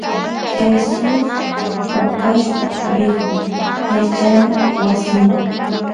Jesus wakashpa rikun yachana wasima.